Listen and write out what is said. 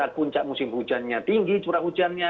pemukiman di puncak musim hujannya tinggi curah hujannya